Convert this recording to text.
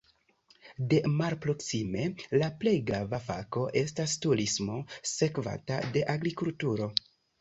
De malproksime la plej grava fako estas turismo, sekvata de agrikulturo.